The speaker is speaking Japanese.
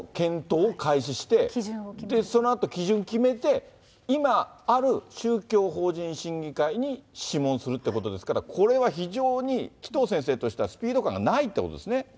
そしてそのあと基準を決めて、今ある宗教法人審議会に諮問するっていうことですから、これは非常に紀藤先生としては、スピード感がないっていうことですね。